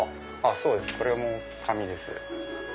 そうですこれも紙です。